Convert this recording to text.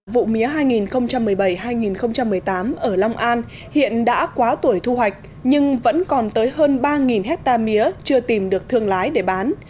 vụ mía hai nghìn một mươi bảy hai nghìn một mươi tám ở long an hiện đã quá tuổi thu hoạch nhưng vẫn còn tới hơn ba hectare mía chưa tìm được thương lái để bán